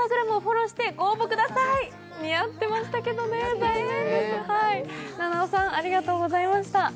似合ってましたけどね残念です、菜々緒さん、ありがとうございました。